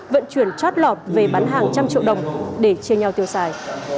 vận chuyển chót lọt về bán hàng trăm triệu đồng để chia nhau tiêu xài